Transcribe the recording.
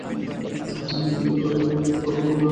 তিনি ভডেভিল ও কমিক অপেরায় অভিনয় করেছেন।